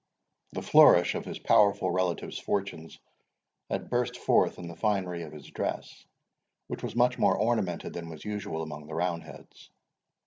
The flourish of his powerful relative's fortunes had burst forth in the finery of his dress, which was much more ornamented than was usual among the roundheads.